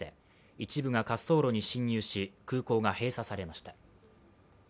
一部が滑走路に侵入し、空港が閉鎖されました。